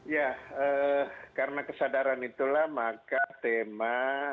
ya karena kesadaran itulah maka tema